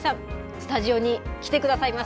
スタジオに来てくださいます。